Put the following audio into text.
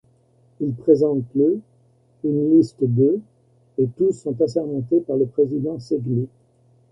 Il présente le une liste de et tous sont assermentés par le président Segni.